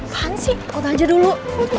bukan sih otot aja dulu